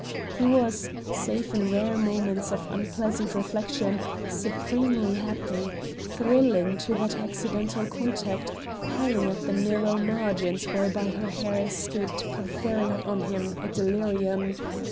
He was, save in rare moments of unpleasant reflection, supremely happy, thrilling to that accidental contact, paling at the narrow margins whereby her hair escaped conferring on him a delirium.